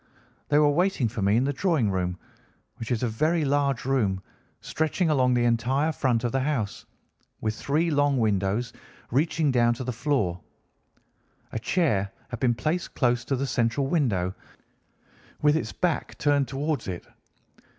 They were waiting for me in the drawing room, which is a very large room, stretching along the entire front of the house, with three long windows reaching down to the floor. A chair had been placed close to the central window, with its back turned towards it.